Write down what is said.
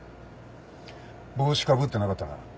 帽子かぶってなかったな。